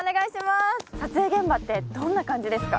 撮影現場ってどんな感じですか？